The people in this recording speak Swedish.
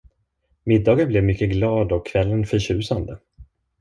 Middagen blev mycket glad och kvällen förtjusande.